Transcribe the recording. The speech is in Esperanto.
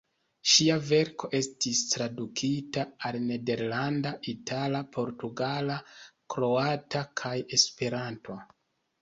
Ŝia verko estis tradukita al nederlanda, itala, portugala, kroata kaj Esperanto.